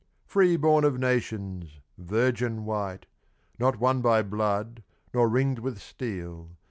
Free born of nations, virgin white, Not won by blood, nor ringed with steel.